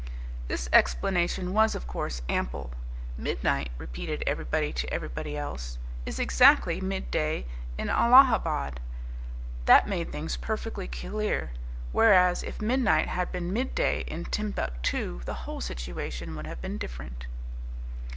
This explanation was, of course, ample. "Midnight," repeated everybody to everybody else, "is exactly midday in Allahabad." That made things perfectly clear. Whereas if midnight had been midday in Timbuctoo the whole situation would have been different.